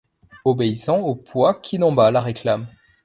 Obéissant au poids qui d’en bas la réclame